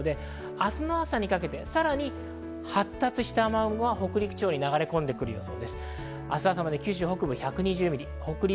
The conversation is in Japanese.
明日の朝にかけてさらに発達した雨雲が北陸地方に流れ込んでくる予想です。